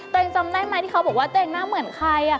ยังจำได้ไหมที่เขาบอกว่าตัวเองหน้าเหมือนใคร